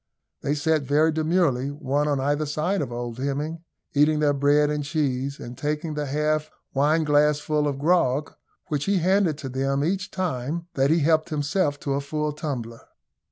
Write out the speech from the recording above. They sat very demurely, one on either side of old Hemming, eating their bread and cheese, and taking the half wineglassful of grog, which he handed to them each time that he helped himself to a full tumbler.